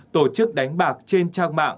tổ chức đánh bạc trên trang mạng